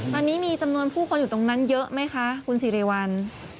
ตอนนี้มีจำนวนผู้คนอยู่ตรงนั้นเยอะไหมคะคุณสิริวัล